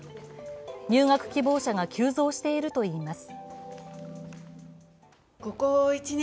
入学希望者が急増しているといいます。